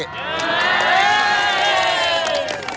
เย้